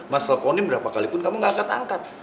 mas telponin berapa kalipun kamu gak angkat angkat